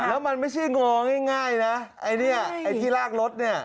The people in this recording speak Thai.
แล้วมันไม่ใช่งอง่ายนะไอ้ที่ลากรถเนี่ย